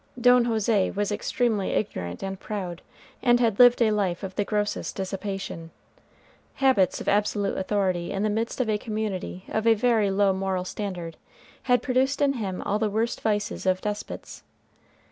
Don José was extremely ignorant and proud, and had lived a life of the grossest dissipation. Habits of absolute authority in the midst of a community of a very low moral standard had produced in him all the worst vices of despots.